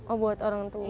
oh buat orang tua